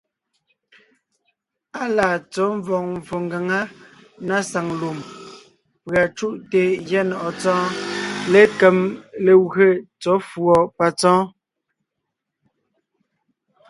Á laa tsɔ̌ mvɔ̀g mvfò ngaŋá na saŋ lùm, pʉ̀a cúʼte gyɛ́ nɔ̀ʼɔ Tsɔ́ɔn lékem legwé tsɔ̌ fʉ̀ɔ patsɔ́ɔn.